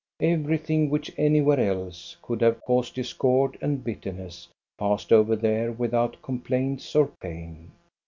Everything which anywhere else could have caused discord and bitterness passed over there without complaints or pain.